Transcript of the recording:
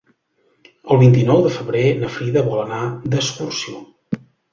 El vint-i-nou de febrer na Frida vol anar d'excursió.